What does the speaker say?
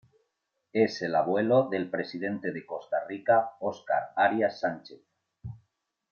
Es el abuelo del Presidente de Costa Rica Óscar Arias Sánchez.